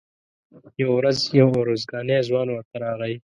یوه ورځ یو ارزګانی ځوان ورته راغی.